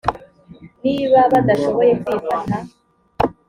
niba badashoboye kwifata